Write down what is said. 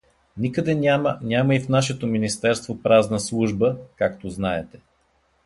Никъде няма, няма и в нашето министерство празна служба, както знаете.